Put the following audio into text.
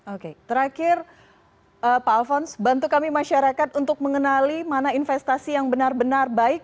oke terakhir pak alfons bantu kami masyarakat untuk mengenali mana investasi yang benar benar baik